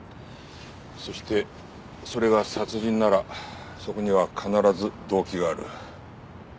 そしてそれが殺人ならそこには必ず動機がある。